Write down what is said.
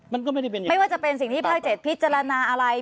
มันก็ไม่ได้เป็นอย่างนี้ไม่ว่าจะเป็นสิ่งที่ภาค๗พิจารณาอะไร